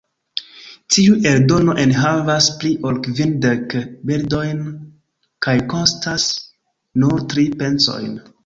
Tiu eldono enhavas pli ol kvindek bildojn kaj kostas nur tri pencojn.